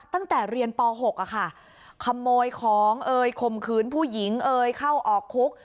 ตั้งแต่เรียนป๖ค่ะขโมยของเอ่ยข่มขืนผู้หญิงเอ่ยเข้าออกคุก